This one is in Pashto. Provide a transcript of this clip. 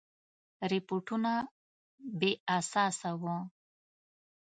رپوټونه بې اساسه وه.